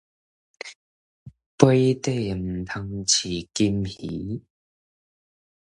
杯底毋通飼金魚